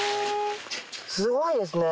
すごいですね。